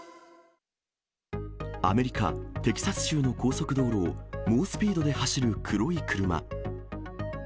アメリカ・テキサス州の高速道路を猛スピードで走る黒い車。